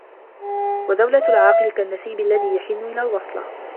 وَدَوْلَةُ الْعَاقِلِ كَالنَّسِيبِ الَّذِي يَحِنُّ إلَى الْوَصْلَةِ